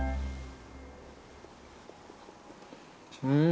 うん。